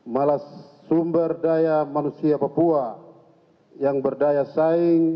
malah sumber daya manusia papua yang berdaya saing